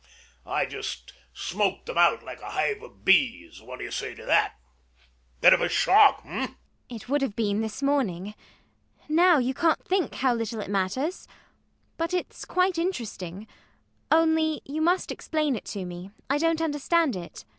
I just smoked them out like a hive of bees. What do you say to that? A bit of shock, eh? ELLIE. It would have been, this morning. Now! you can't think how little it matters. But it's quite interesting. Only, you must explain it to me. I don't understand it.